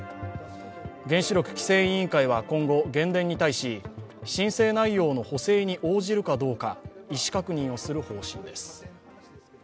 原子力規制委員会は今後原電に対し、申請内容の補正に応じるかどうか意思確認をする方針です。